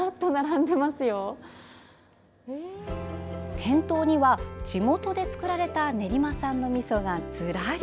店頭には地元で作られた練馬産の、みそがずらり。